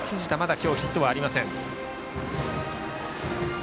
今日まだヒットはありません。